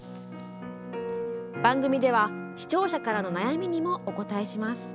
番組では、視聴者からの悩みにもお答えします。